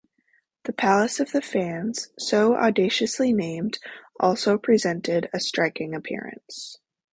The Palace of the Fans, so audaciously named, also presented a striking appearance.